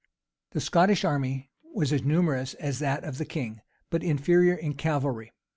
[] The Scottish army was as numerous as that of the king, but inferior in cavalry.